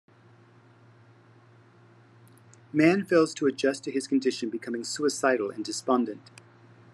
Mann fails to adjust to his condition, becoming suicidal and despondent.